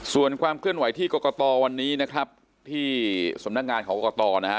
ส่วนความเคลื่อนไหวที่กรกตวันนี้นะครับที่สำนักงานของกรกตนะฮะ